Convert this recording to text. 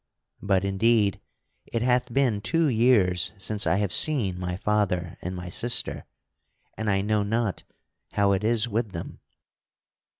But, indeed, it hath been two years since I have seen my father and my sister, and I know not how it is with them."